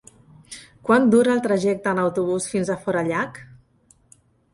Quant dura el trajecte en autobús fins a Forallac?